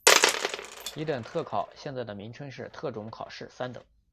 乙等特考现在的名称是特种考试三等。